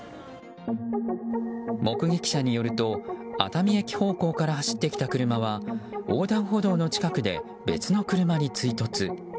目撃者によると熱海駅方向から走ってきた車は横断歩道の近くで別の車に追突。